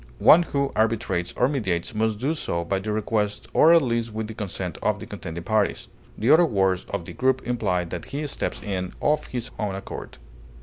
One who arbitrates or mediates must do so by the request or at least with the consent of the contending parties; the other words of the group imply that he steps in of his own accord.